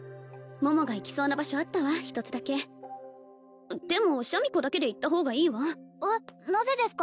桃が行きそうな場所あったわ一つだけでもシャミ子だけで行った方がいいわえっなぜですか？